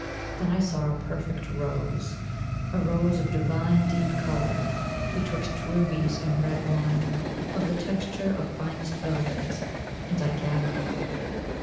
Then I saw a perfect rose, a rose of divine, deep colour betwixt rubies and red wine of the texture of finest velvet, and I gathered it.